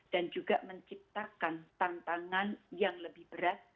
dan juga menciptakan tantangan yang lebih berat